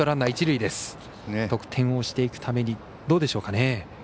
得点をしていくためにどうでしょうかね。